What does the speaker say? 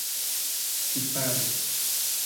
tiparo